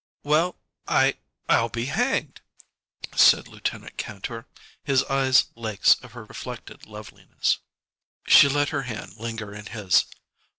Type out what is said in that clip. "Well, I I'll be hanged!" said Lieutenant Kantor, his eyes lakes of her reflected loveliness. She let her hand linger in his.